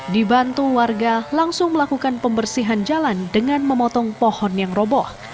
dibantu warga langsung melakukan pembersihan jalan dengan memotong pohon yang roboh